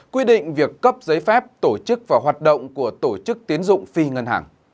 quy định việc cấp giấy phép tổ chức và hoạt động của tổ chức tiến dụng phi ngân hàng